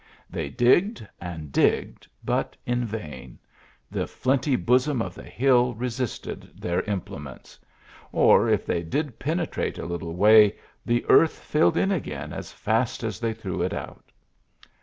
They digged and digged, but in vain ; the flinty bosom of the hill resisted their implements ; or if they did pen etrate a little way, the earth filled in again as fast as they threw it out.